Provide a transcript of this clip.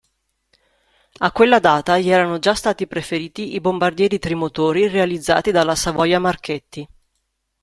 A quella data gli erano già stati preferiti i bombardieri trimotori realizzati dalla Savoia-Marchetti.